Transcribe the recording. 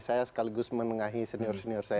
saya sekaligus menengahi senior senior saya